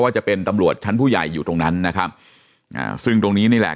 จะเป็นตำรวจชั้นผู้ใหญ่อยู่ตรงนั้นนะครับอ่าซึ่งตรงนี้นี่แหละ